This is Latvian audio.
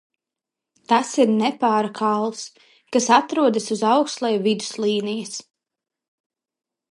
Tas ir nepāra kauls, kas atrodas uz auklsēju viduslīnijas.